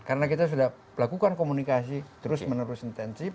karena kita sudah lakukan komunikasi terus menerus intensif